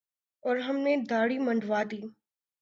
اور ہم نے دھاڑی منڈوادی